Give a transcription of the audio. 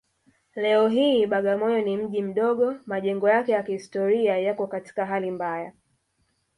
Leo hii Bagamoyo ni mji mdogo Majengo yake ya kihistoria yako katika hali mbaya